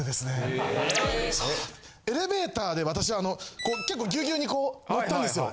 エレベーターで私は結構ギュウギュウにこう乗ったんですよ。